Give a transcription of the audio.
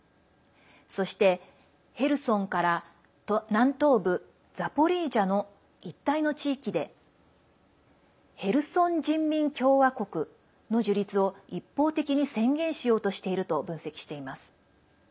そして、ヘルソンから南東部ザポリージャの一帯の地域でヘルソン人民共和国の樹立を一方的に宣言しようとしていると分析しています。